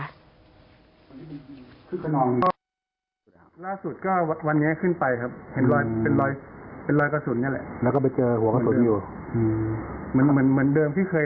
เหมือนลักษณะเดียวกันเลย